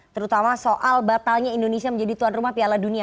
terutama soal batalnya indonesia menjadi tuan rumah piala dunia